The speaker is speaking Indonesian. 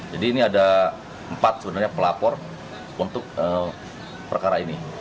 jadi ini ada empat sebenarnya pelapor untuk perkara ini